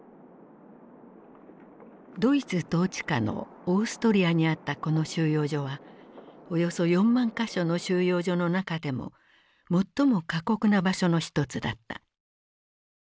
ドイツ統治下のオーストリアにあったこの収容所はおよそ４万か所の収容所の中でも最も過酷な場所の一つだった。